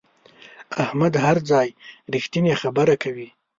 احمد هر ځای رښتینې خبره کوي.